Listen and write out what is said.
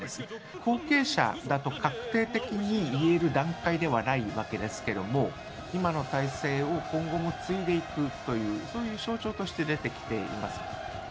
後継者だと確定的に言える段階ではないわけですけども、今の体制を今後も継いでいくという、そういう象徴として出てきています。